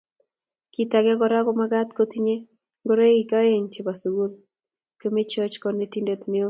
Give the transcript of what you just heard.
Kit age Kora komagat kotinyei ngoroik oeng chebo sukul kimeoch konetindet neo